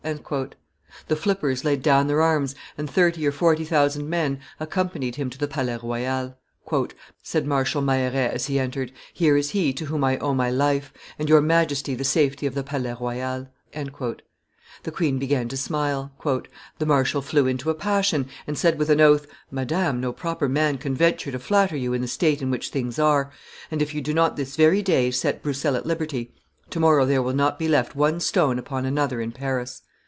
The fiippers laid down their arms, and thirty or forty thousand men accompanied him to the Palais Royal. "Madame," said Marshal Meilleraye as he entered, "here is he to whom I owe my life, and your Majesty the safety of the Palais Royal." The queen began to smile. "The marshal flew into a passion, and said with an oath, 'Madame, no proper man can venture to flatter you in the state in which things are; and if you do not this very day set Broussel at liberty, to morrow there will not be left one stone upon another in Paris.